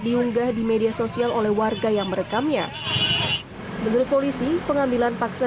diunggah di media sosial oleh warga yang merekamnya menurut polisi pengambilan paksa